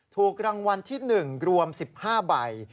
ถูกรางวัลที่๑รวม๑๕ใบ